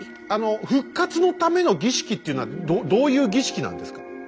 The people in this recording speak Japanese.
「復活のための儀式」っていうのはどういう儀式なんですか？